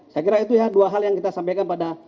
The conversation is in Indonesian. saya kira itu ya dua hal yang kita sampaikan pada